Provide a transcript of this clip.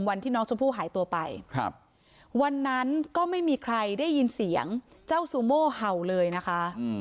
วันที่น้องชมพู่หายตัวไปครับวันนั้นก็ไม่มีใครได้ยินเสียงเจ้าซูโม่เห่าเลยนะคะ